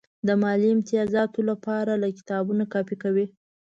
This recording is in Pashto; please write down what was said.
د مالي امتیازاتو لپاره له کتابونو کاپي کوي.